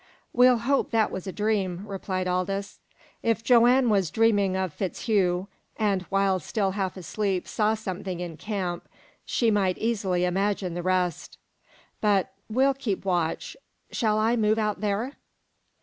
"We'll hope that it was a dream," replied Aldous. "If Joanne was dreaming of FitzHugh, and while still half asleep saw something in camp, she might easily imagine the rest. But we'll keep watch. Shall I move out there?"